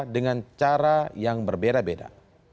dengan cara yang berbeda beda